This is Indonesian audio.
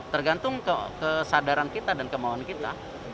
tergantung kesadaran kita dan kemauan kita